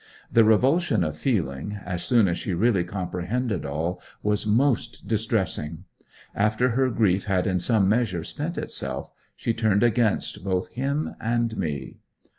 The revulsion of feeling, as soon as she really comprehended all, was most distressing. After her grief had in some measure spent itself she turned against both him and me.